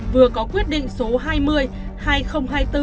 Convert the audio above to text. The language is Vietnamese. vừa có quyết định số hai mươi hai nghìn hai mươi bốn